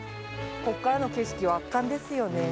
ここからの景色は圧巻ですよね。